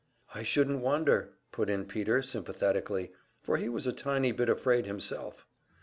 "I shouldn't wonder," put in Peter, sympathetically; for he was a tiny bit afraid himself.